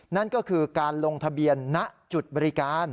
นั่นก็คือการลงทะเบียนณจุดบริการ